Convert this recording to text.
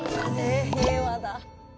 平和だ。